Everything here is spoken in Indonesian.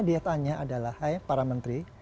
dia tanya adalah hai para menteri